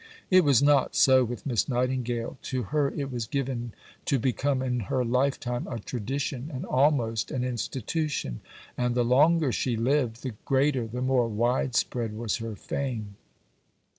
It was not so with Miss Nightingale. To her it was given to become in her lifetime a tradition and almost an institution; and the longer she lived, the greater, the more widespread was her fame.